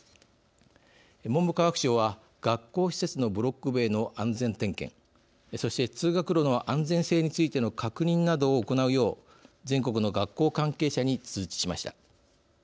文部科学省は学校施設のブロック塀の安全点検そして通学路の安全性についての確認などを行うよう全国の学校関係者に通知しました。